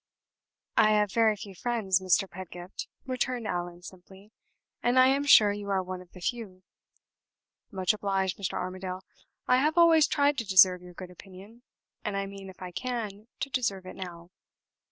"I have very few friends, Mr. Pedgift," returned Allan, simply. "And I am sure you are one of the few." "Much obliged, Mr. Armadale. I have always tried to deserve your good opinion, and I mean, if I can, to deserve it now.